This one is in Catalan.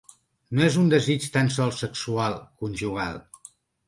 No és un desig tan sols sexual, conjugal.